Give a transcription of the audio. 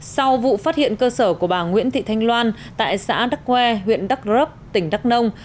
sau vụ phát hiện cơ sở của bà nguyễn thị thanh loan tại xã đắk ngoe huyện đắk rấp tỉnh đắk nông